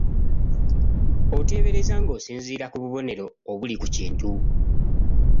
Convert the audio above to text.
Oteebereza ng'osinziira ku bubonero obuli ku kintu.